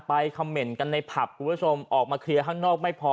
คำเมนต์กันในผับคุณผู้ชมออกมาเคลียร์ข้างนอกไม่พอ